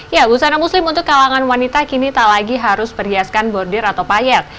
ya busana muslim untuk kalangan wanita kini tak lagi harus perhiaskan bordir atau payet